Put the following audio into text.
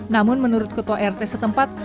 namun menurut ketua rt setempat